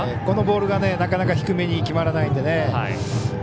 このボールがなかなか低めに決まらないのでね。